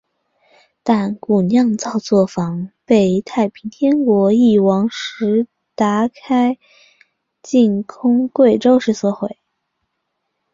但古酿造作房被太平天国翼王石达开进攻贵州时所毁。